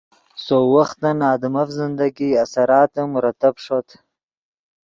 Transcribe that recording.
سؤ وختن آدمف زندگی اثراتے مرتب ݰوت